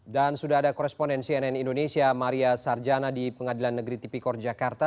dan sudah ada koresponden cnn indonesia maria sarjana di pengadilan negeri tp cor jakarta